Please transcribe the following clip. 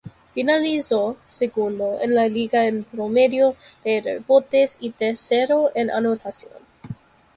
Finalizó segundo en la liga en promedio de rebotes y tercero en anotación.